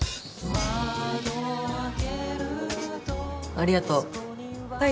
ありがとう。